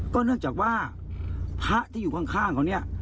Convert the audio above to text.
ก็เนื่องจากว่าพระที่อยู่ข้างเขา